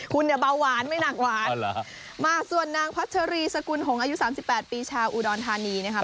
คุณเนี้ยเบาหวานไม่หนักหวานเอาละมาส่วนนางพัชรีสกุลหงศ์อายุสามสิบแปดปีชาวอูดอนธานีนะครับ